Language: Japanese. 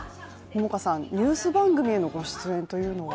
ニュース番組へのご出演というのは？